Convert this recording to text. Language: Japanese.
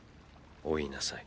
追いなさい。